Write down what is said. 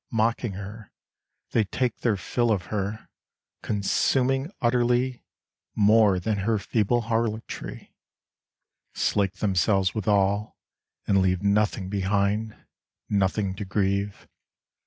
Mocking her, they take their fill Of her, consuming utterly More than her feeble harlotry. Slake themselves with all, and leave Nothing behind, nothing to grieve.